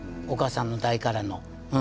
お母さんの代からの。